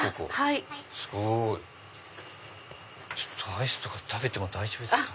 アイスとか食べて大丈夫ですか？